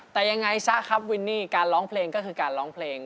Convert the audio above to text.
แต่ยังไงซะครับวินนี่การร้องเพลงก็คือการร้องเพลง